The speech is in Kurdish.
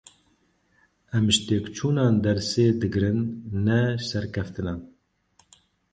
Em ji têkçûnan dersê digirin, ne ji serkeftinan!